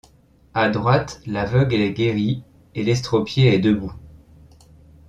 À droite l’aveugle est guéri et l’estropié est debout.